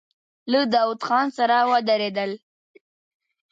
له داوود خان سره ودرېدل.